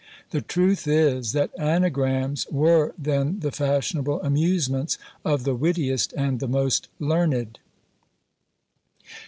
The truth is, that ANAGRAMS were then the fashionable amusements of the wittiest and the most learned.